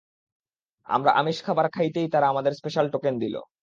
আমরা আমিষ খাবার চাইতেই তারা আমাদের স্পেশাল টোকেন দিল।